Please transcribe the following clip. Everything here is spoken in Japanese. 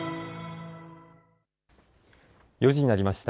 ４時になりました。